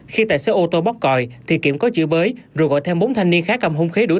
khi tài xế ô tô bóc còi thì kiểm có chữ bới rồi gọi theo bốn thanh niên khác cầm hung khí đuổi